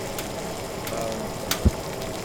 Xtaṛent-ten?